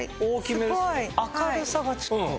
すごい。明るさがちょっと。